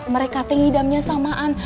mereka tengidamnya samaan